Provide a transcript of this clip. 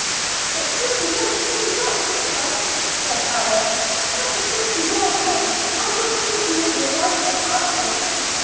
"It would be like you not to come," said Alice. "But I think you will come. I don't think you will be allowed to be absent."